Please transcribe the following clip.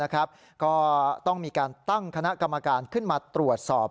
ก็ต้องมีการตั้งคณะกรรมการขึ้นมาตรวจสอบ